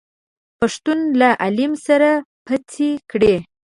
پښتنو له عليم سره پڅې کړې.